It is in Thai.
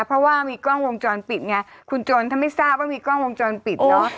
เพราะว่ามีกล้องวงจรปิดไงคุณโจรถ้าไม่ทราบว่ามีกล้องวงจรปิดเนอะ